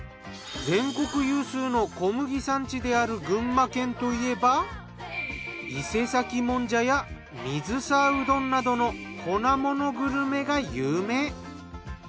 全国有数の小麦産地である群馬県といえば伊勢崎もんじゃや水沢うどんなどの粉ものグルメが有名。